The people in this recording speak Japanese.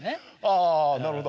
ああなるほど。